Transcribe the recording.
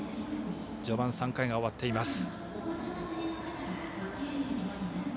序盤、３回が終わっています。